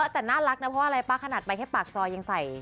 แต่น่ารักนะเพราะอะไรป้าขนาดไปแค่ปากซอยยังใส่